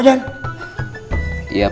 tidak akan terjadi